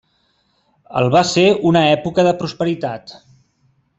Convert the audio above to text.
El va ser una època de prosperitat.